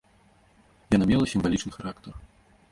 Яна мела сімвалічны характар.